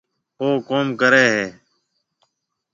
او ڪوم ڪري هيَ۔